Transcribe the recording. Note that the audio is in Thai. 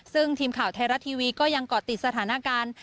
ซึ่งทีมข่าวไทยรัฐทีวีก็ยังเกาะติดสถานการณ์